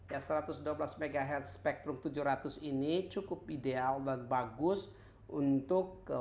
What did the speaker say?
ya satu ratus dua belas mhz spektrum tujuh ratus ini cukup ideal dan bagus untuk